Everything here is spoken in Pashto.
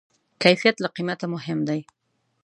کیفیت له قیمته مهم دی.